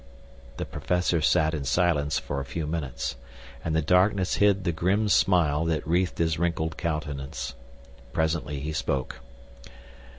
The professor sat in silence for a few minutes, and the darkness hid the grim smile that wreathed his wrinkled countenance. Presently he spoke.